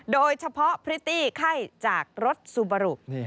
โดยเฉพาะพริตตี้ไข้จากรถซูบารุ